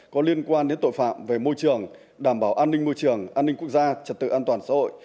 có liên quan đến tội phạm về môi trường đảm bảo an ninh môi trường an ninh quốc gia trật tự an toàn xã hội